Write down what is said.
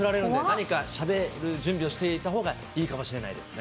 何かしゃべる準備をしていたほうがいいかもしれないですね。